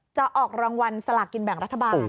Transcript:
จะออกรางวัลสลากกินแบ่งรัฐบาล